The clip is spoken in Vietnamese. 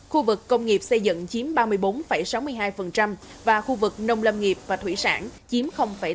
khu vực công nghiệp xây dựng chiếm ba mươi bốn sáu mươi hai và khu vực nông lâm nghiệp và thủy sản chiếm ba mươi